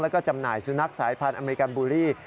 แล้วก็จำหน่ายสุนัขสายพันธ์อเมริกันบูรี